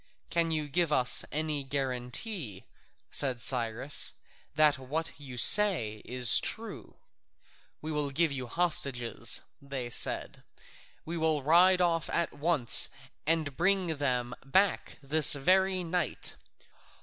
"Can you give us any guarantee," said Cyrus, "that what you say is true?" "We will give you hostages," they said; "we will ride off at once and bring them back this very night.